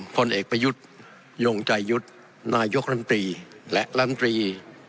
๑คนเอกประยุทธ์โลงใจยุทธ์นายกรัฐกรีย์และรัฐกรีย์